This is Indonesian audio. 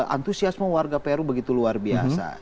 antusiasme warga peru begitu luar biasa